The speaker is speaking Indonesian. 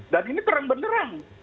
dan ini terang benerang